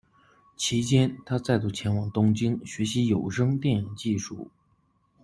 其间，他再度前往东京学习有声电影技术。